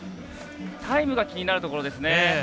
タイムが気になるところですね。